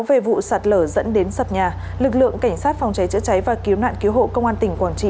về vụ sạt lở dẫn đến sập nhà lực lượng cảnh sát phòng cháy chữa cháy và cứu nạn cứu hộ công an tỉnh quảng trị